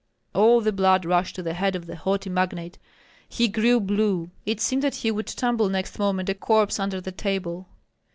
All the blood rushed to the head of the haughty magnate. He grew blue; it seemed that he would tumble next moment a corpse under the table.